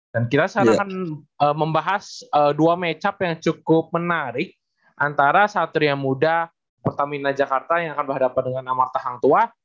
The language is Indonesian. dan kita sekarang akan membahas dua matchup yang cukup menarik antara satria muda pertamina jakarta yang akan berhadapan dengan amartahang tua